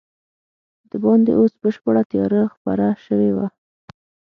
دباندې اوس بشپړه تیاره خپره شوې وه.